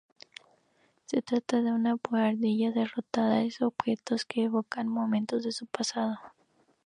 Se trata de una buhardilla abarrotada de objetos que evocan momentos de su pasado.